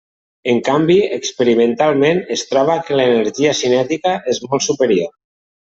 En canvi, experimentalment es troba que l'energia cinètica és molt superior.